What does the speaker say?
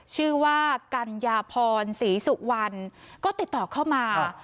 ชื่อว่ากัญญาพรศรีสุวรรณก็ติดต่อเข้ามา